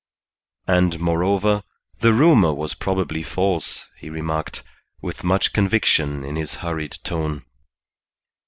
And, moreover, the rumour was probably false, he remarked, with much conviction in his hurried tone.